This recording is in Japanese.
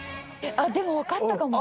あっでもわかったかも。